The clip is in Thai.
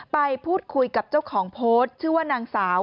ไปพูดคุยกับเจ้าของโพสต์ชื่อว่านางสาว